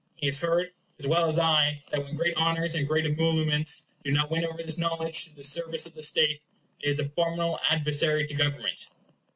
He has heard, as well as I, that when great honors and great emoluments do not win over this knowledge to the service of the state, it is a formidable adversary to government.